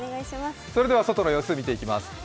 それでは外の様子を見ていきます。